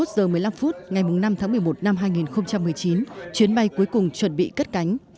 hai mươi giờ một mươi năm phút ngày năm tháng một mươi một năm hai nghìn một mươi chín chuyến bay cuối cùng chuẩn bị cất cánh